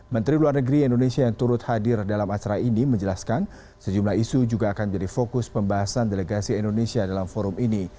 menteri luar negeri indonesia yang turut hadir dalam acara ini menjelaskan sejumlah isu juga akan menjadi fokus pembahasan delegasi indonesia dalam forum ini